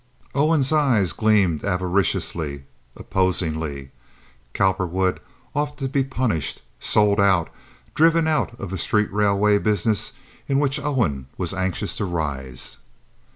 Owen's eyes gleamed avariciously, opposingly. Cowperwood ought to be punished, sold out, driven out of the street railway business in which Owen was anxious to rise.